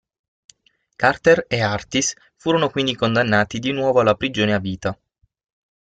Carter e Artis furono quindi condannati di nuovo alla prigione a vita.